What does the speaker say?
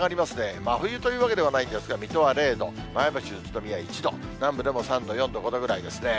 真冬というわけではないんですが、水戸は０度、前橋、宇都宮１度、南部でも３度、４度、５度ぐらいですね。